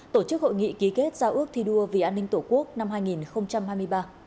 tổ chức hội nghị ký kết giao ước thi đua vì an ninh tổ quốc năm hai nghìn hai mươi ba